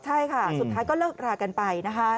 ใช่ค่ะสุดท้ายก็เลิกรากันไปนะคะ